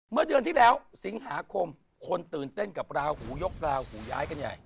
เมื่อเดือนที่แล้วสิงหาคมคนตื่นเต้นกับราหูยกราหูย้ายกันใหญ่